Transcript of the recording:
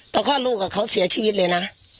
พอคลอดลูกกับเขาเสียชีวิตเลยนะ